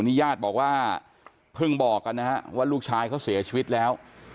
นี่ญาติบอกว่าเพิ่งบอกกันนะฮะว่าลูกชายเขาเสียชีวิตแล้ว